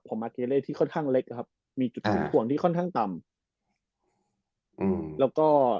ของที่ค่อนข้างเล็กนะครับมีที่ค่อนข้างต่ำอืมแล้วก็